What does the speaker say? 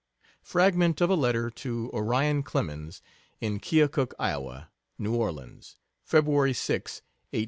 Fragment of a letter to Orion Clemens, in Keokuk, Iowa: NEW ORLEANS February 6, 1862. ...